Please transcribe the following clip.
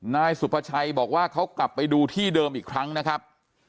นายสุภาชัยบอกว่าเขากลับไปดูที่เดิมอีกครั้งนะครับ